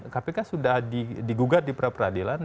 kpk sudah digugat di pra peradilan